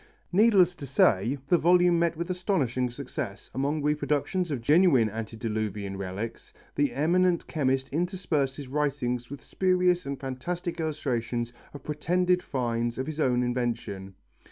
Needless to say the volume met with astonishing success. Among reproductions of genuine antediluvian relics, the eminent chemist interspersed his writing with spurious and fantastic illustrations of pretended finds of his own invention.